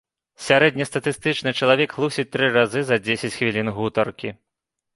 Сярэднестатыстычны чалавек хлусіць тры разы за дзесяць хвілін гутаркі.